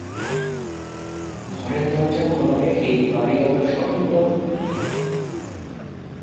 ঘরের দরজা খোলা রেখেই বাড়িওয়ালার সদর দরজায় কলিংবেল টিপলেন।